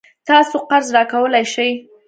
تاسو قرض راکولای شئ؟